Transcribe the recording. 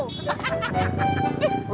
udah gua makan dulu